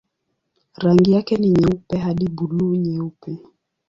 Rangi yake ni nyeupe hadi buluu-nyeupe.